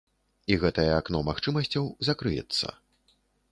І гэтае акно магчымасцяў закрыецца.